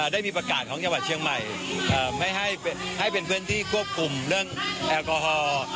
ได้มีประกาศของจังหวัดเชียงใหม่ไม่ให้เป็นพื้นที่ควบคุมเรื่องแอลกอฮอล์